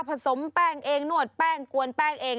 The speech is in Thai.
สมแป้งเองนวดแป้งกวนแป้งเอง